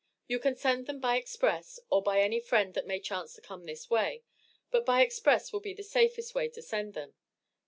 You can send them by Express, or by any friend that may chance to come this way, but by Express will be the safest way to send them.